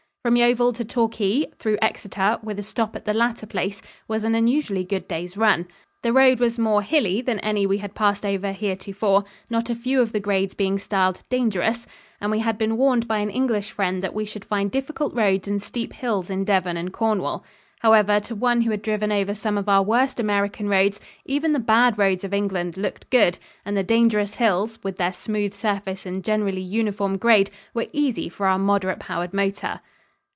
From Yeovil to Torquay, through Exeter, with a stop at the latter place, was an unusually good day's run. The road was more hilly than any we had passed over heretofore, not a few of the grades being styled "dangerous," and we had been warned by an English friend that we should find difficult roads and steep hills in Devon and Cornwall. However, to one who had driven over some of our worst American roads, even the "bad" roads of England looked good, and the "dangerous" hills, with their smooth surface and generally uniform grade, were easy for our moderate powered motor.